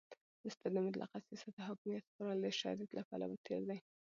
اولس ته د مطلقه سیاست او حاکمیت سپارل د شریعت له پلوه تېرى دئ.